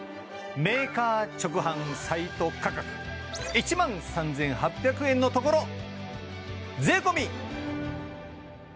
メーカー直販サイト価格１万３８００円のところ税込